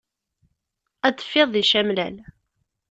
Ad d-teffiḍ di camlal.